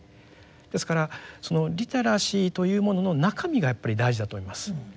ですからそのリテラシーというものの中身がやっぱり大事だと思います。